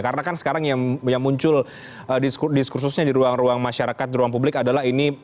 karena kan sekarang yang muncul diskursusnya di ruang ruang masyarakat di ruang publik adalah ini